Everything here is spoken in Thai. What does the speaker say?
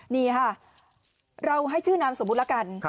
นี่ค่ะเราให้ชื่อนามสมมุติแล้วกัน